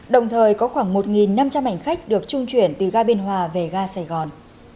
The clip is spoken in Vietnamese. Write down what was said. đồng thời có khoảng một năm trăm linh ảnh khách được trung chuyển từ ga biên hòa về ga sài gòn